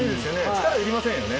力いりませんよね。